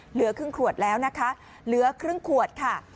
เหลือครึ่งขวดแล้วนะคะเหลือครึ่งขวดค่ะ